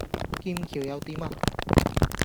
劍橋又點呀?